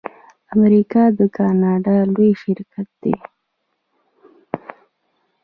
امریکا د کاناډا لوی شریک دی.